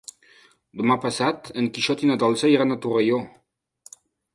Demà passat en Quixot i na Dolça iran a Torelló.